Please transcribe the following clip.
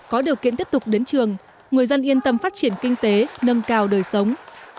có điều kiện tiếp tục đến trường người dân yên tâm phát triển kinh tế nâng cao đời sống